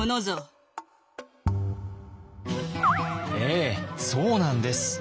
ええそうなんです！